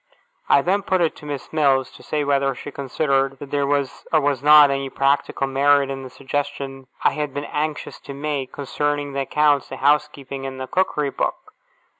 I then put it to Miss Mills, to say whether she considered that there was or was not any practical merit in the suggestion I had been anxious to make, concerning the accounts, the housekeeping, and the Cookery Book?